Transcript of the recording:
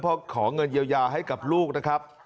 เพราะขอเงินเยียวยาให้กับลูกนะครับ